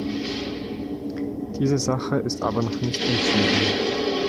Diese Sache ist aber noch nicht entschieden.